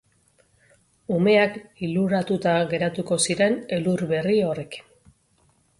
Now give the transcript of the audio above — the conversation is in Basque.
Umeak liluratuta geratuko ziren elur berri horrekin.